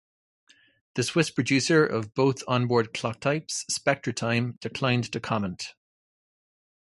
The Swiss producer of both onboard clocktypes SpectraTime declined to comment.